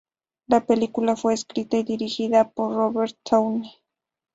La película fue escrita y dirigida por Robert Towne.